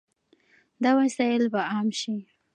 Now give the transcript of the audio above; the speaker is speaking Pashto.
دا وسایل به عام شي.